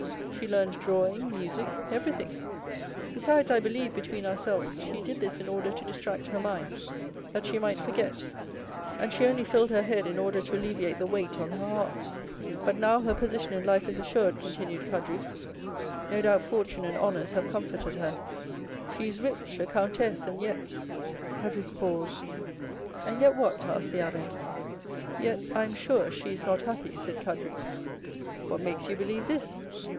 She learned drawing, music—everything. Besides, I believe, between ourselves, she did this in order to distract her mind, that she might forget; and she only filled her head in order to alleviate the weight on her heart. But now her position in life is assured," continued Caderousse; "no doubt fortune and honors have comforted her; she is rich, a countess, and yet——" Caderousse paused. "And yet what?" asked the abbé. "Yet, I am sure, she is not happy," said Caderousse. "What makes you believe this?"